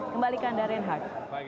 kembalikan dari renhardt